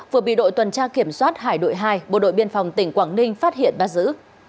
vừa bị đội tuần tra kiểm soát hải đội hai bộ đội biên phòng tỉnh quảng ninh phát hiện bắt giữ